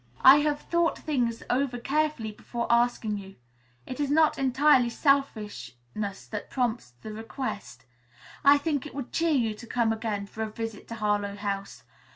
I have thought things over carefully before asking you. It is not entirely selfishness that prompts the request. I think it would cheer you to come again for a visit to Harlowe House.